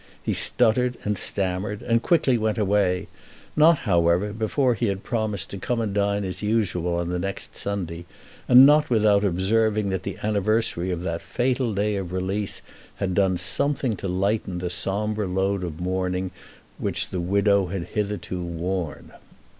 He stuttered and stammered, and quickly went away; not, however, before he had promised to come and dine as usual on the next Sunday, and not without observing that the anniversary of that fatal day of release had done something to lighten the sombre load of mourning which the widow had hitherto worn.